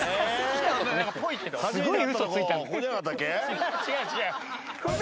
違う違う違う。